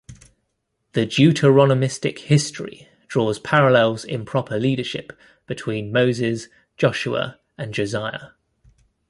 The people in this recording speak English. The Deuteronomistic history draws parallels in proper leadership between Moses, Joshua and Josiah.